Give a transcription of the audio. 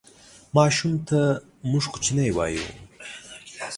ماشوم ته موږ کوچنی وایو